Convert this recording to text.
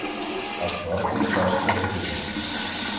А цар то часто годував.